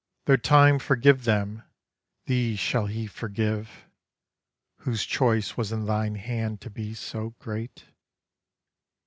Though time forgive them, thee shall he forgive, Whose choice was in thine hand to be so great?